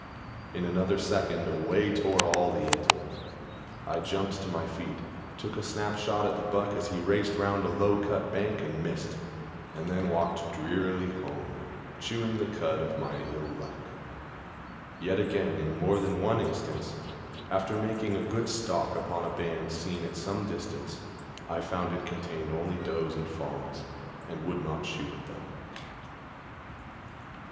In another second away tore all the antelope. I jumped to my feet, took a snap shot at the buck as he raced round a low cut bank and missed, and then walked drearily home, chewing the cud of my ill luck. Yet again in more than one instance, after making a good stalk upon a band seen at some distance, I found it contained only does and fawns, and would not shoot at them.